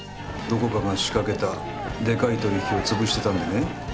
どこかが仕掛けたでかい取引をつぶしてたんでね。